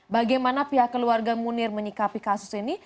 bagaimana pihak keluarga munir menyikapi kasus ini